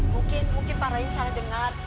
mungkin mungkin pak rohit misalnya dengar